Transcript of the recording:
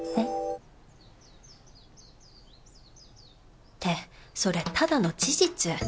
ってそれただの事実